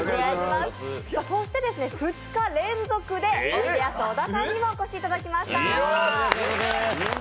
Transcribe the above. そして２日連続でおいでやす小田さんにもお越しいただきました。